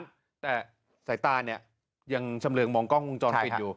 ใช่ใส่ตาเนี่ยยังชำเริงมองกล้องจอดควิดอยู่